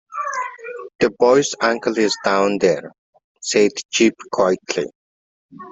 “The boy’s uncle is down there,” said Jip quietly.